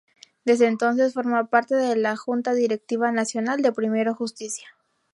Desde entonces forma parte de la Junta Directiva Nacional de Primero Justicia.